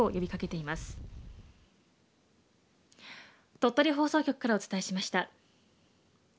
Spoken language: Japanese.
鳥取放送局からお伝えしました。